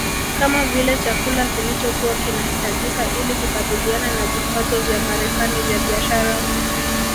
kama vile chakula kilichokua kinahitajika ili kukabiliana na vikwazo vya Marekani vya biashara